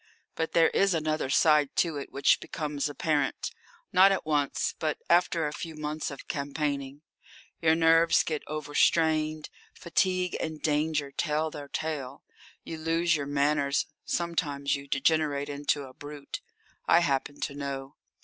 But there is another side to it which becomes apparent, not at once, but after a few months of campaigning. Your nerves get overstrained, fatigue and danger tell their tale. You lose your manners, sometimes you degenerate into a brute. I happen to know.